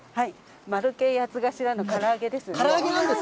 丸系八つ頭のから揚げです。